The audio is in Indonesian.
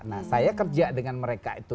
nah saya kerja dengan mereka itu